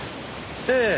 ええ。